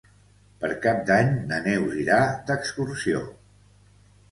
Per Cap d'Any na Neus irà d'excursió.